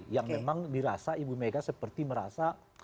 yang memang dirasa ibu mega seperti merasa